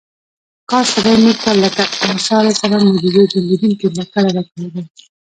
کاش خدای موږ ته لکه موسی علیه السلام معجزې درلودونکې لکړه راکړې وای.